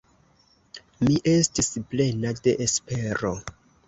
Mi estis plena de espero.